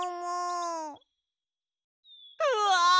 うわ！